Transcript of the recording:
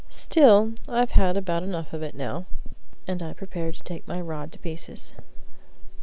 Still, I've had about enough of it now." And I prepared to take my rod to pieces.